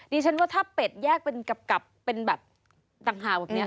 ดิฉันว่าถ้าเป็ดแยกเป็นกับเป็นแบบต่างหากแบบนี้